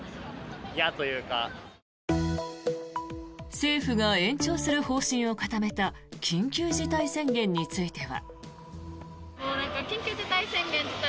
政府が延長する方針を固めた緊急事態宣言については。